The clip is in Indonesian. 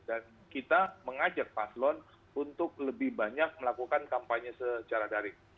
dan kita mengajak paslon untuk lebih banyak melakukan kampanye secara daring